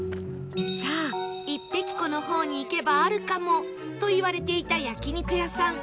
さあ一碧湖の方に行けばあるかもと言われていた焼肉屋さん